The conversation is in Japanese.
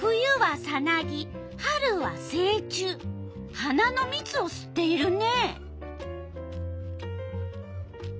花のみつをすっているね。